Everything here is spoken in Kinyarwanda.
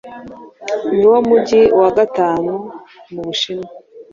ni wo mujyi wa gatanu mu Bushinwa